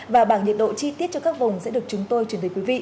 và bảng nhiệt độ chi tiết cho các vùng sẽ được chúng tôi truyền thuyền quý vị